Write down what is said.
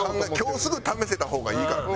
今日すぐ試せた方がいいからね。